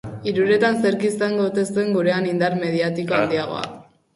Hiruretan zerk izango ote zuen gurean indar mediatiko handiagoa?